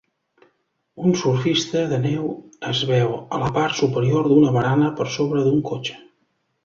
Un surfista de neu es veu a la part superior d'una barana per sobre d'un cotxe